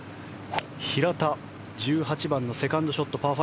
平田、１８番のセカンドショットパー５。